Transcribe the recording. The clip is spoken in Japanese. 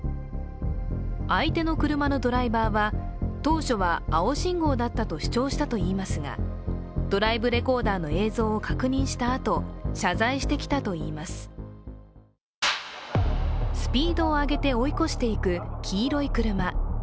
相手の車のドライバーは、当初は青信号だったと主張したといいますが、ドライブレコーダーの映像を確認したあと、謝罪してきたといいますスピードを上げて追い越していく黄色い車。